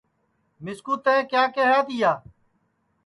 مِسکُو تئیں کیا کیہیا تیا